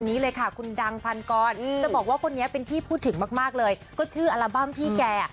นี้เลยค่ะคุณดังพันกรจะบอกว่าคนนี้เป็นที่พูดถึงมากเลยก็ชื่ออัลบั้มพี่แก